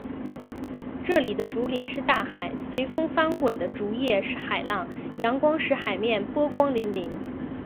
这里的竹林是大海，随风翻滚的竹叶是海浪，阳光使“海面”波光粼粼。